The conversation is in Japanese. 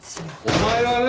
お前はね